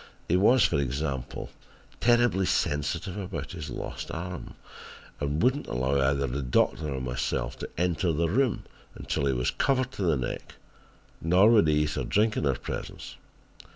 He was, for example, terribly sensitive about his lost arm and would not allow either the doctor or my self to enter the room until he was covered to the neck, nor would he eat or drink in our presence.